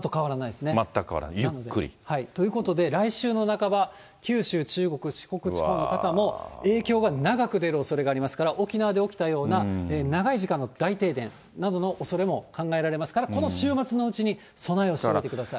全く変わらない。ということで、来週の半ば、九州、中国、四国地方の方も影響が長く出るおそれがありますから、沖縄で起きたような長い時間の大停電などのおそれも考えられますから、この週末のうちに、備えをしておいてください。